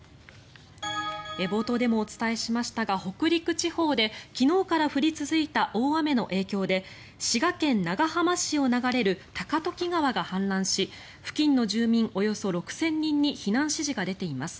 冒頭でもお伝えしましたが北陸地方で昨日から降り続いた大雨の影響で滋賀県長浜市を流れる高時川が氾濫し付近の住民およそ６０００人に避難指示が出ています。